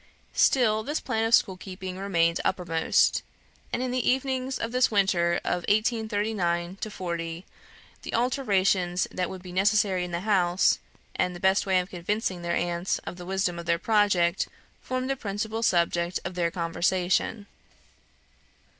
Still, this plan of school keeping remained uppermost; and in the evenings of this winter of 1839 40, the alterations that would be necessary in the house, and the best way of convincing their aunt of the wisdom of their project, formed the principal subject of their conversation.